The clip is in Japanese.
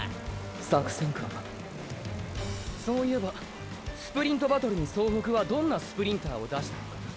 作戦かそういえばスプリントバトルに総北はどんなスプリンターを出したのかな？